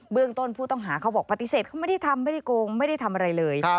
เรื่องต้นผู้ต้องหาเขาบอกปฏิเสธเขาไม่ได้ทำไม่ได้โกงไม่ได้ทำอะไรเลย